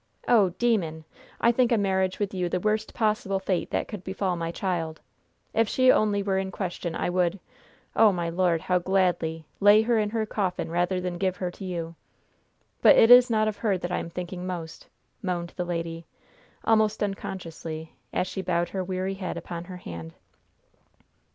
"Oh, demon! I think a marriage with you the worst possible fate that could befall my child. If she only were in question I would oh, my Lord, how gladly! lay her in her coffin rather than give her to you. But it is not of her that I am thinking most," moaned the lady, almost unconsciously, as she bowed her weary head upon her hand.